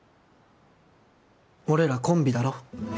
俺らコンビだろ。